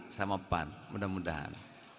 terima kasih sama pan mudah mudahan